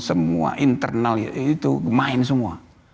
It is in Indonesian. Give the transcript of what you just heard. semua internal itu main semua